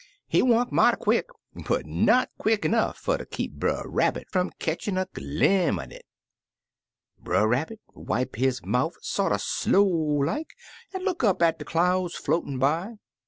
"He wunk mighty quick, but not quick 'nough fer ter keep Brer Rabbit fum ketch in' a glimp' un it. Brer Rabbit wipe his mouf sorter slow like, an' look up at de clouds floatin' by.